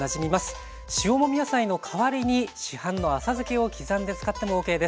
塩もみ野菜の代わりに市販の浅漬けを刻んで使ってもＯＫです。